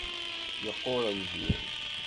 Yeqqur lbir.